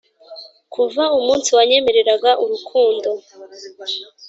kuva umunsi wanyemereraga urukundo